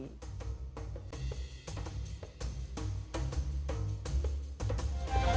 sampai jumpa lagi